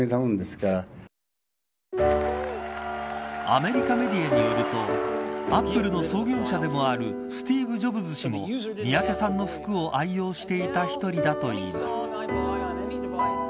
アメリカメディアによるとアップルの創業者でもあるスティーブ・ジョブズ氏も三宅さんの服を愛用していた１人だといいます。